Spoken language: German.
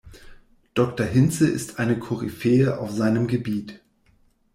Doktor Hinze ist eine Koryphäe auf seinem Gebiet.